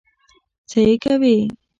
څه يې کوې؟